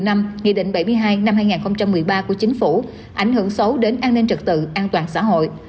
nghị định bảy mươi hai năm hai nghìn một mươi ba của chính phủ ảnh hưởng xấu đến an ninh trật tự an toàn xã hội